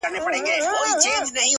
اوښکي ساتمه ستا راتلو ته تر هغې پوري ـ